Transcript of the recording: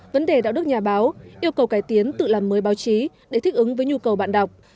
vấn đề đạo đức nhà báo yêu cầu cải tiến tự làm mới báo chí để thích ứng với nhu cầu bạn đọc